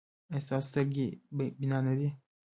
ایا ستاسو سترګې بینا نه دي؟